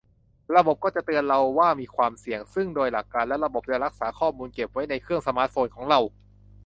ระบบก็จะเตือนเราว่ามีความเสี่ยง ซึ่งโดยหลักการแล้วระบบจะรักษาข้อมูลเก็บไว้ในเครื่องสมาร์ทโฟนของเรา